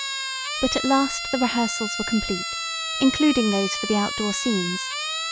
But at last the rehearsals were complete, including those for the outdoor scenes.